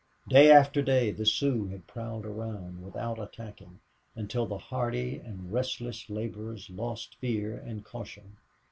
Day after day the Sioux had prowled around without attacking, until the hardy and reckless laborers lost fear and caution.